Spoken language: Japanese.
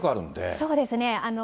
そうですね。